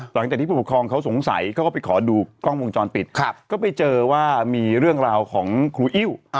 หลังจากที่ผู้ปกครองเขาสงสัยเขาก็ไปขอดูกล้องวงจรปิดก็ไปเจอว่ามีเรื่องราวของครูอิ้ว